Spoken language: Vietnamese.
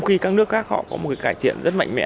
họ có một cái cải thiện rất mạnh mẽ